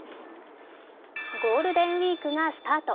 ゴールデンウイークがスタート。